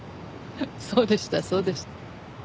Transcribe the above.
そうでしたそうでした。